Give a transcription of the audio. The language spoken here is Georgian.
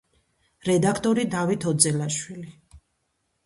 რედაქტორი დავით ოძელაშვილი.